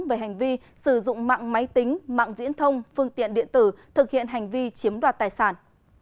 về hành vi sử dụng mạng máy tính mạng diễn thông phương tiện điện tử thực hiện hành vi chiếm đoạt tài sản